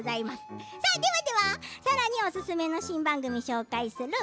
ではではさらにおすすめの新番組紹介する。